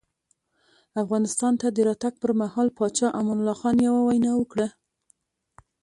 افغانستان ته د راتګ پر مهال پاچا امان الله خان یوه وینا وکړه.